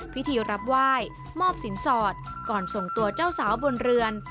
พิธีรับไหว้มอบสินสอดก่อนส่งตัวเจ้าสาวบนเรือน